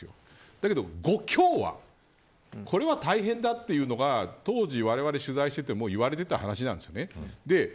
だけど、５強はこれは大変だというのが当時、われわれ取材していてもいわれていた話なんです。